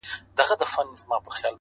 ستا د ميني پـــه كـــورگـــي كـــــي؛